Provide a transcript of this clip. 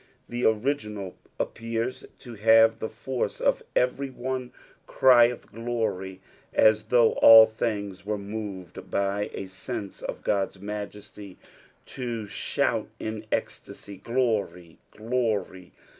The original appcarH to have the force of " ererj one crieth Glory," as though all things vere moved by a sense of God's msjestj to shout in ecstasy, " Glory, glory."